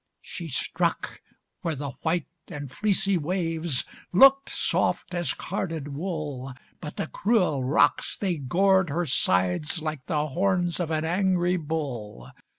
She struck where the white and fleecy waves Looked soft as carded wool, But the cruel rocks, they gored her side Like the horns of an angry bull.